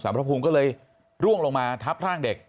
พระภูมิก็เลยร่วงลงมาทับร่างเด็ก